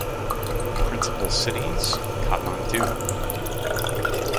"Principal cities: Kathmandu"